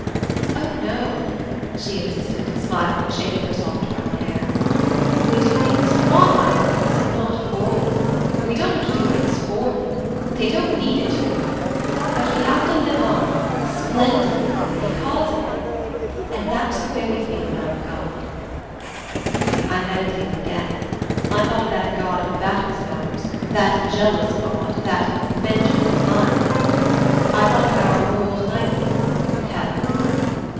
"Oh, no," she insisted, smiling, shaking her soft brown hair. "We do things from our mothers not for them. We don't have to do things for them they don't need it, you know. But we have to live on splendidly because of them; and that's the way we feel about God." I meditated again. I thought of that God of Battles of ours, that Jealous God, that Vengeance is mine God. I thought of our world nightmare Hell.